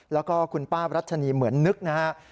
แล้วก็คุณป้ารัชนีเหมือนนึกนะครับ